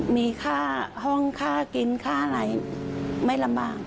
มีค่าห้องค่ากินค่าอะไรไม่ลำบาก